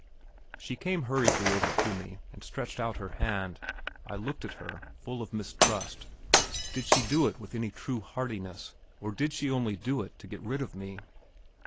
She came hurriedly over to me, and stretched out her hand. I looked at her, full of mistrust. Did she do it with any true heartiness, or did she only do it to get rid of me?